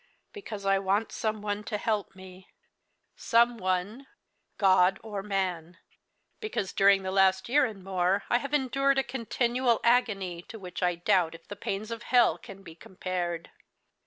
"Because I want some one to help me some one, God or man. Because, during the last year and more I have endured a continual agony to which I doubt if the pains of hell can be compared.